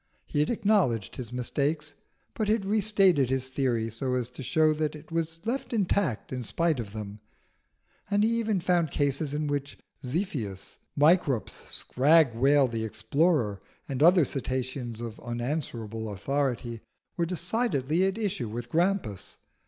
He had acknowledged his mistakes, but had restated his theory so as to show that it was left intact in spite of them; and he had even found cases in which Ziphius, Microps, Scrag Whale the explorer, and other Cetaceans of unanswerable authority, were decidedly at issue with Grampus.